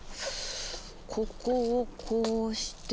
ここをこうして。